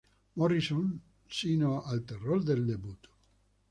Morrison, sino al terror del debut.